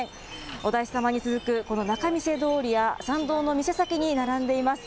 お大師様に続くこの仲見世通りや参道の店先に並んでいます。